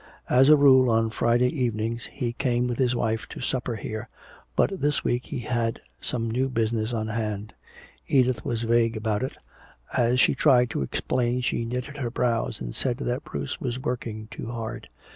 As a rule on Friday evenings he came with his wife to supper here, but this week he had some new business on hand. Edith was vague about it. As she tried to explain she knitted her brows and said that Bruce was working too hard.